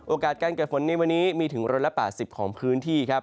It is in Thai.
โอกาสการเกิดฝนนี้วันนี้มีถึงละ๘๐ของพื้นที่